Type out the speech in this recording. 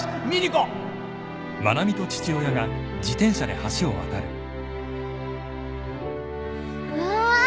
うわ